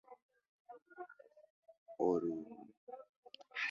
Oriundo de la Ciudad de Antofagasta, Chile.